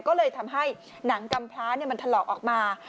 ก็เลยทำให้หนังกำพลามันถลอกออกมา